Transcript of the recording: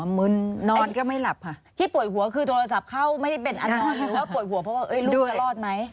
มึนนอนก็ไม่หลับค่ะที่ป่วยหัวคือโทรศัพท์เข้าไม่ได้เป็นอันนอนหรือว่าป่วยหัวเพราะว่าลูกจะรอดไหม